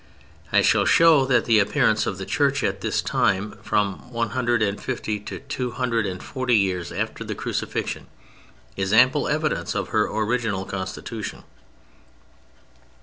I shall show that the appearance of the Church at this time, from one hundred and fifty to two hundred and forty years after the Crucifixion, is ample evidence of her original constitution.